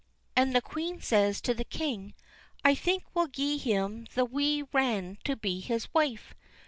And the queen says to the king: "I think we'll gie him the wee wran to be his wife."